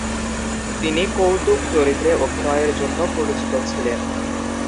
তিনি কৌতুক চরিত্রে অভিনয়ের জন্য পরিচিত ছিলেন।